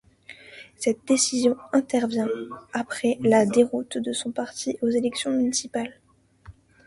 Cette décision intervient après la déroute de son parti aux élections municipales.